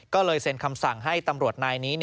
ก็เลยเซ็นคำสั่งให้ตำรวจนายนี้